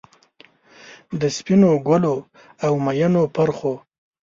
د سپینو ګلو، اومیینو پرخو،